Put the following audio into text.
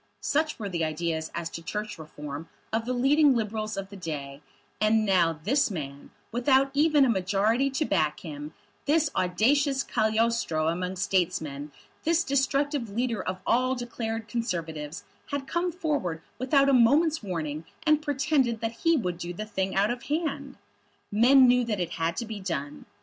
Such were the ideas as to Church Reform of the leading Liberals of the day; and now this man, without even a majority to back him, this audacious Cagliostro among statesmen, this destructive leader of all declared Conservatives, had come forward without a moment's warning, and pretended that he would do the thing out of hand! Men knew that it had to be done.